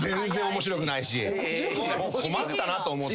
困ったなと思って。